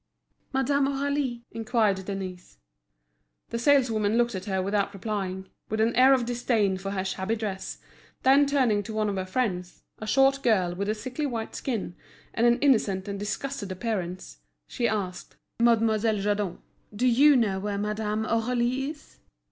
"Madame Aurélie?" inquired Denise. The saleswoman looked at her without replying, with an air of disdain for her shabby dress, then turning to one of her friends, a short girl with a sickly white skin and an innocent and disgusted appearance, she asked: "Mademoiselle Yadon, do you know where Madame Aurélie is?"